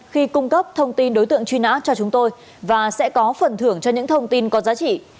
khi cung cấp thông tin đối tượng truy nã cho chúng tôi và sẽ có phần thưởng cho những thông tin có giá trị